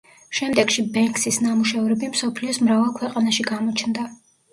შემდეგში ბენქსის ნამუშევრები მსოფლიოს მრავალ ქვეყანაში გამოჩნდა.